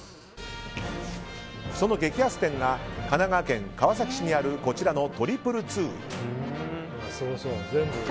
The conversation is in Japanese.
その激安店が神奈川県川崎市にあるこちらの２２２。